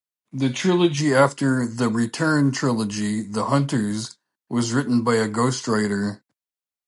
The trilogy after "The Return" trilogy, "The Hunters", was written by a ghostwriter.